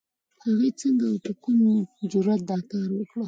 هغې څنګه او په کوم جرئت دا کار وکړ؟